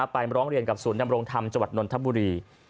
ไปร้องเรียนกับศูนย์ดำรงธรรมจังหวัดนนทบุรี